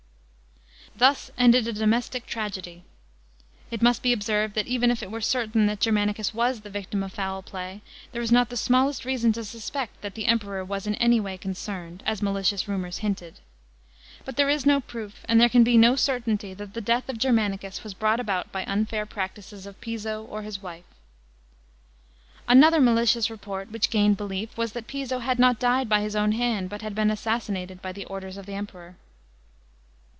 Thus ended a domestic tragedy. It must be observed that even if it were certain that Germanicus was the victim of foul play, there is not the smallest reason to suspect that the Emperor was in any way concerned, as malicious rumours hinted. But there is no proof and there can be no certainty that the death of Germanicus was brought about by unfair practices of Piso or his wife. Another malicious report, which gained belief, was that Piso had not died by his own hand, but had been assassinated by the orders of the Emperor.